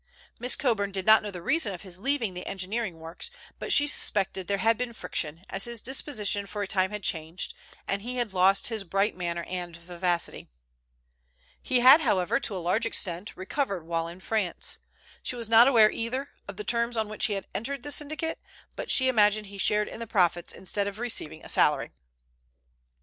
Miss Coburn did not know the reason of his leaving the engineering works, but she suspected there had been friction, as his disposition for a time had changed, and he had lost his bright manner and vivacity. He had, however, to a large extent recovered while in France. She was not aware, either, of the terms on which he had entered the syndicate, but she imagined he shared in the profits instead of receiving a salary.